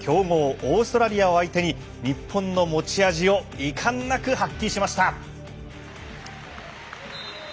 オーストラリアを相手に日本の持ち味を遺憾なく発揮しました。